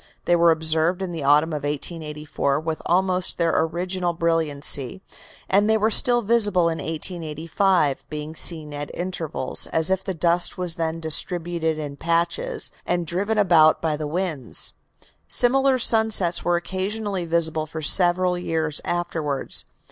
They were observed in the autumn of 1884 with almost their original brilliancy, and they were still visible in 1885, being seen at intervals, as if the dust was then distributed in patches, and driven about by the winds. In fact, similar sunsets were occasionally visible for several years afterwards.